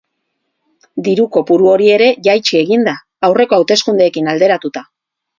Diru kopuru hori ere jaitsi egin da, aurreko hauteskundeekin alderatuta.